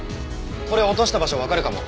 これ落とした場所わかるかも。